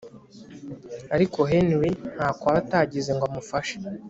ariko Henry ntako aba atagize ngo amufashe